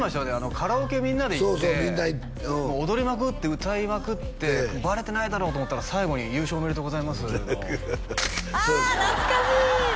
カラオケみんなで行ってそうそうみんなうん踊りまくって歌いまくってバレてないだろうと思ったら最後に「優勝おめでとうございます」のああ懐かしい！